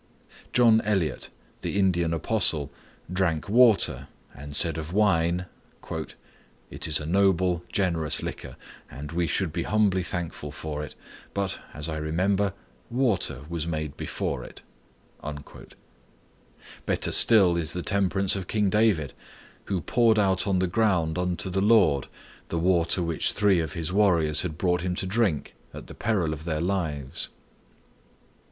John Eliot, the Indian Apostle, drank water, and said of wine,—"It is a noble, generous liquor and we should be humbly thankful for it, but, as I remember, water was made before it." Better still is the temperance of King David, who poured out on the ground unto the Lord the water which three of his warriors had brought him to drink, at the peril of their lives.